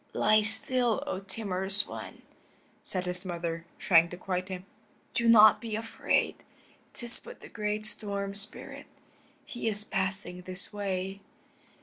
"Lie still, O timorous one," said his mother, trying to quiet him. "Do not be afraid; 'tis but the great Storm Spirit. He is passing this way."